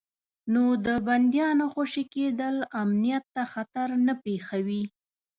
نو د بندیانو خوشي کېدل امنیت ته خطر نه پېښوي.